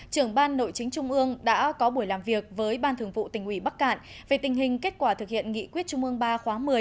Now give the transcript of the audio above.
trưởng ban nội chính trung ương đã có buổi làm việc với ban thường vụ tỉnh ủy bắc cạn về tình hình kết quả thực hiện nghị quyết trung ương ba khóa một mươi